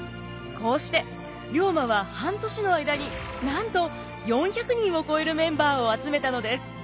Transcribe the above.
こうして龍馬は半年の間になんと４００人を超えるメンバーを集めたのです。